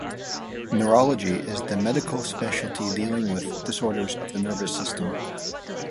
Neurology is the medical specialty dealing with disorders of the nervous system.